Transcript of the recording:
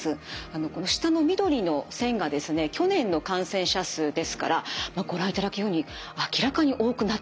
この下の緑の線がですね去年の感染者数ですからご覧いただくように明らかに多くなってるの分かりますよね。